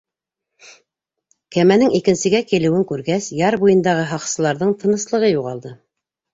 Кәмәнең икенсегә килеүен күргәс, яр буйындағы һаҡсыларҙың тыныслығы юғалды.